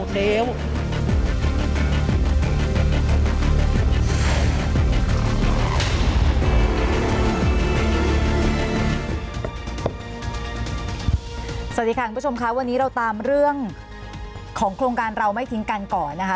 สวัสดีค่ะคุณผู้ชมค่ะวันนี้เราตามเรื่องของโครงการเราไม่ทิ้งกันก่อนนะคะ